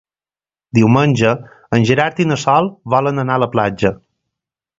Diumenge en Gerard i na Sol volen anar a la platja.